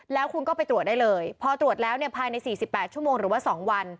แล้วคุณก็ไปตรวจได้เลยพอตรวจแล้วเนี่ยภายใน๔๘ชั่วโมงหรือว่า๒วัน